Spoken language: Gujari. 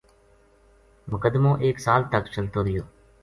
مقدمو ایک سال تک چلتو رہیو